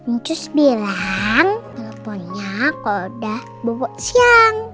ncus bilang teleponnya kalau udah bobo siang